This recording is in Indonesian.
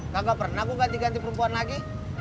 kagak pernah gue ganti ganti perempuan lagi